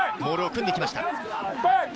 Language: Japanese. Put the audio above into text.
モールを組んできました。